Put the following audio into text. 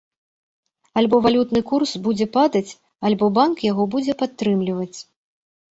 Альбо валютны курс будзе падаць, альбо банк яго будзе падтрымліваць.